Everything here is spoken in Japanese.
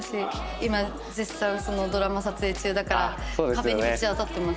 今絶賛ドラマ撮影中だから壁にぶち当たってます。